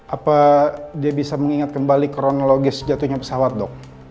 apa dia bisa mengingat kembali kronologis jatuhnya pesawat dok